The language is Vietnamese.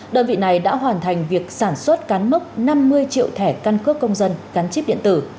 đơn vị này đã hoàn thành việc sản xuất cán mốc năm mươi triệu thẻ căn cước công dân gắn chip điện tử